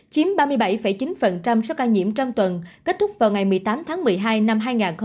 chiếm ba mươi bảy chín số ca nhiễm trong tuần kết thúc vào ngày một mươi tám tháng một mươi hai năm hai nghìn hai mươi ba